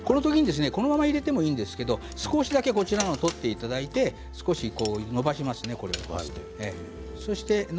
このまま入れてもいいんですけれども少しだけだしを取っていただいてのばしますね。